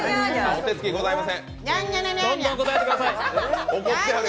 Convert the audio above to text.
お手付きございません。